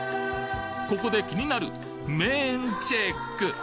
ここで気になる麺チェック！